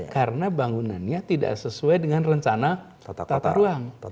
karena bangunannya tidak sesuai dengan rencana tata ruang